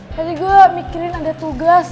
tadi gue mikirin ada tugas